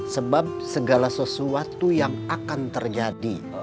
sebab segala sesuatu yang akan terjadi